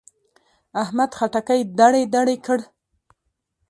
احمد خټکی دړې دړې کړ.